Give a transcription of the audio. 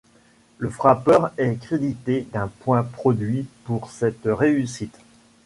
Le frappeur est crédité d'un point produit pour cette réussite.